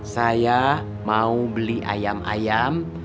saya mau beli ayam ayam